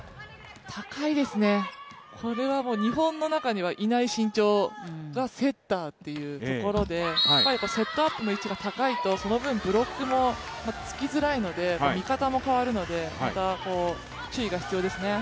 高いですね、これは日本の中にはいない身長がセッターっていうところでセットアップの位置が高いとその分ブロックもつきづらいので、見方も変わるのでまた注意が必要ですね。